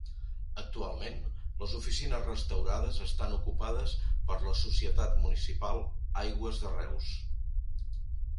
Actualment, les oficines, restaurades estan ocupades per la societat municipal Aigües de Reus.